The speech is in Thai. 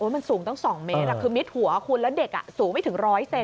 มันสูงตั้ง๒เมตรคือมิดหัวคุณแล้วเด็กสูงไม่ถึง๑๐๐เซน